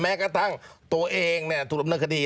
แม้กระทั่งตัวเองเนี่ยถูกรับหน้าคดี